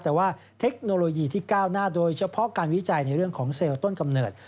แต่ว่าเทคโนโลยีที่ก้าวหน้าโดยเฉพาะการวิจัยในเรื่องของเซลล์ต้นกำเนิด